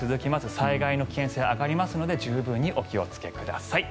災害の危険性が上がりますので十分にお気をつけください。